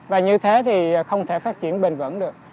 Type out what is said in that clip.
và như thế thì không thể phát triển bền vững được